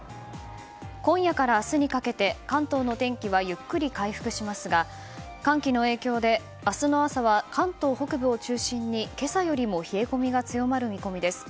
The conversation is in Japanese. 今夜から明日にかけて関東の天気はゆっくり回復しますが寒気の影響で明日の朝は関東北部を中心に今朝よりも冷え込みが強まる見込みです。